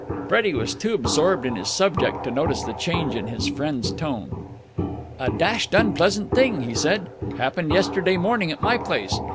Freddie was too absorbed in his subject to notice the change in his friend's tone. "A dashed unpleasant thing," he said, "happened yesterday morning at my place.